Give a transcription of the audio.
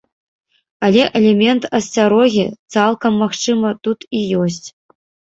Але элемент асцярогі, цалкам магчыма, тут і ёсць.